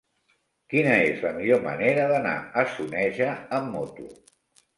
Quina és la millor manera d'anar a Soneja amb moto?